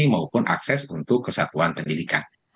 maupun akses untuk kesatuan pendidikan